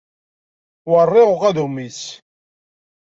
Werriɣ uqadum-is!